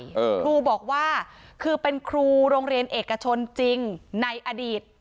เออครูบอกว่าคือเป็นครูโรงเรียนเอกชนจริงในอดีต